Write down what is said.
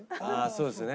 そうですよね。